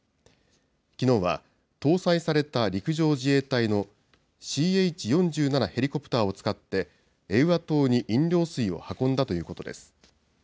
きのうは、搭載された陸上自衛隊のＣＨ４７ヘリコプターを使って、エウア島に飲料水を運んだということです。